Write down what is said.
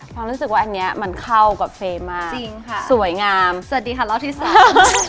ฟังรู้สึกว่าอันนี้มันเข้ากับเฟย์มากสวยงามจริงค่ะสวัสดีค่ะเราที่สาม